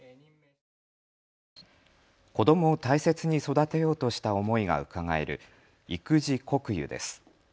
子どもを大切に育てようとした思いがうかがえる育子告諭です。